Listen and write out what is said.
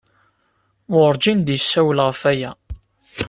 Wurǧin d-yessawel ɣef waya.